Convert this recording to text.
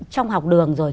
trong học đường rồi